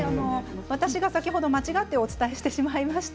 私が先ほど間違ってお伝えしてしまいました。